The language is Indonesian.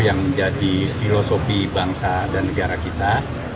yang menjadi filosofi bangsa dan negara kita